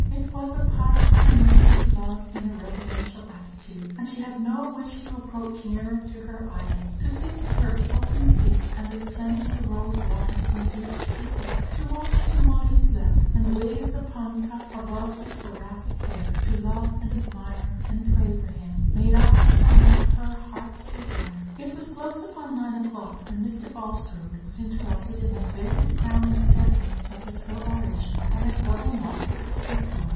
It was a part of her nature to love in a reverential attitude, and she had no wish to approach nearer to her idol. To sit at her sultan's feet, and replenish the rosewater in his chibouque; to watch him while he slept, and wave the punkah above his seraphic head; to love, and admire, and pray for him, made up the sum of her heart's desire. It was close upon nine o'clock when Mr. Bulstrode was interrupted in the very crowning sentence of his peroration by a double knock at the street door.